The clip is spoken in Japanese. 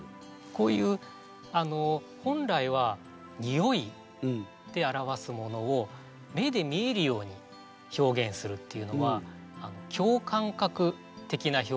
こういう本来はにおいで表すものを目で見えるように表現するっていうのは共感覚。